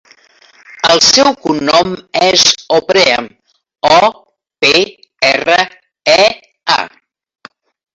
El seu cognom és Oprea: o, pe, erra, e, a.